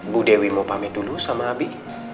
bu dewi mau pamit dulu sama nabi